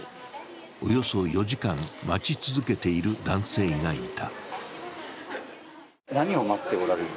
およそ４時間待ち続けている男性がいた。